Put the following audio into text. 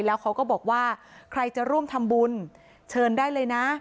แล้วเขาก็บอกว่าใครจะร่วมทำบุญเชิญได้เลยนะ